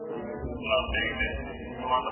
او نه معنوي مرسته ورسره کړې ده.